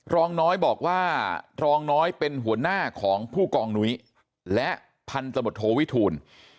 รองน้อยบอกว่ารองน้อยเป็นหัวหน้าของผู้กองนุ้ยและพันธมตโทวิทูล